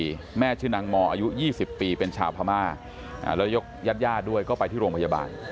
ก็ไปรอไหมป่ะบ้านตำรวจเขาไปไทย